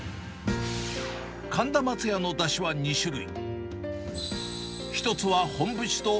神田まつやのだしは２種類。